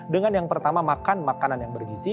dengan yang pertama makan makanan yang bergizi